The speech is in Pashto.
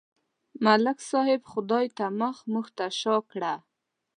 ملک صاحب خدای ته مخ، موږ ته شا کړه.